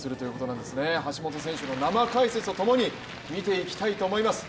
橋本選手の生解説とともに見ていきたいと思います。